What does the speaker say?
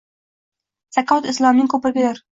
Zakot islomning ko‘prigidir